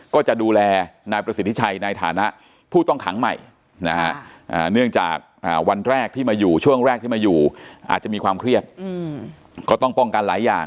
ก็จะดูแลนายประสิทธิชัยในฐานะผู้ต้องขังใหม่นะฮะเนื่องจากวันแรกที่มาอยู่ช่วงแรกที่มาอยู่อาจจะมีความเครียดก็ต้องป้องกันหลายอย่าง